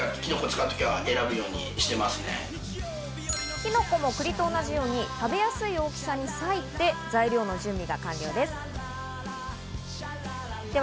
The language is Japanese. キノコも栗と同じように食べやすい大きさに裂いて、材料の準備が完了です。